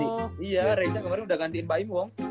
iya reza kemarin udah gantiin pak im wong